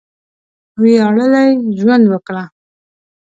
وياړلی ژوند وکړه!